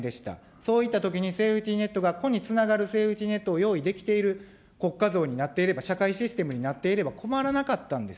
そういったときにセーフティネットが、個につながるセーフティネットを用意できている国家像になっていれば、社会システムになっていれば、困らなかったんです。